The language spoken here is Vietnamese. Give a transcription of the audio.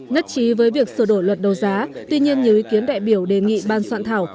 nhất trí với việc sửa đổi luật đấu giá tuy nhiên nhiều ý kiến đại biểu đề nghị ban soạn thảo